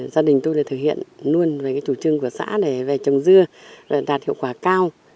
gia đình tôi là thực hiện luôn với chủ trương của xã để trồng dưa đạt hiệu quả cao